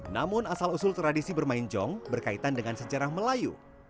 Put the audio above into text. namun asal usul tradisi bermain jong berkaitan dengan sejarah melayu